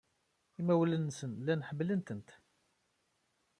Imawlan-nsen llan ḥemmlen-tent.